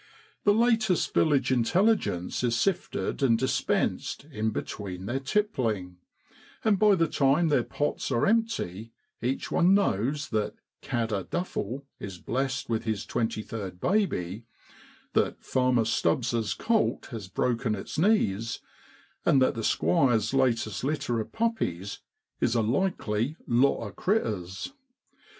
The latest village intelligence is sifted and dispensed in between their tippling; and by the time their pots are empty each one knows that ' Gadder ' Duffel is blessed with his twenty third baby that Farmer Stubbs' colt has broken its knees and that the Squire's latest litter of puppies is a likely * lot o' critters.'